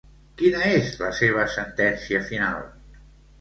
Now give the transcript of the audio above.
Quina és la seva sentència final?